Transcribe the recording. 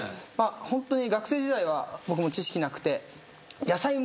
ホントに学生時代は僕も知識なくて。